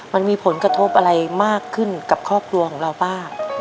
มันมีผลกระทบอะไรมากขึ้นกับครอบครัวของเราป้า